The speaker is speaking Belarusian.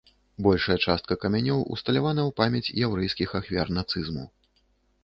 Большая частка камянёў усталявана ў памяць яўрэйскіх ахвяр нацызму.